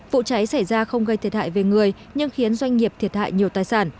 vụ cháy xảy ra không gây thiệt hại về người nhưng khiến doanh nghiệp thiệt hại nhiều tài sản